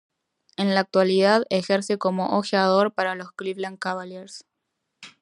En la actualidad ejerce como ojeador para los Cleveland Cavaliers.